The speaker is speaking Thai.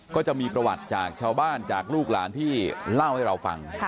ก็จะมีประวัติจากชาวบ้านจากลูกหลานที่เล่าให้เราฟัง